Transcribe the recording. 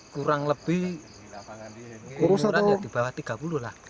kurang lebih kurus atau kemurah